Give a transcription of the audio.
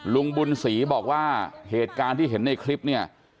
ลุงบุญศรีบอกว่าเหตุการณ์ที่เห็นในคลิปเนี่ย